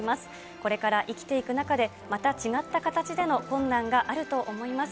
これから生きていく中でまた違った形での困難があると思います。